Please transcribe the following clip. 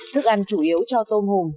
thức ăn chủ yếu cho tôm hùm